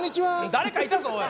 誰かいたぞおい。